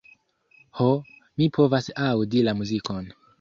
Ho, mi povas aŭdi la muzikon.